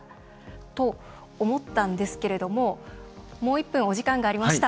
と思ったんですけれどももう１分お時間がありました。